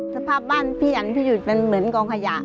สภาพบ้านพี่อันพี่หยุดมันเหมือนกองขยะ